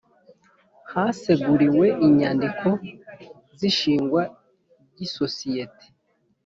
Haseguriwe inyandiko z’ishingwa ry’isosiyete